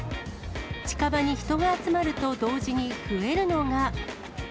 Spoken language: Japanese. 近場に人が集まると同時に増えるのが。